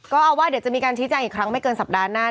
ก็เอาว่าเดี๋ยวจะมีการชี้แจงอีกครั้งไม่เกินสัปดาห์หน้า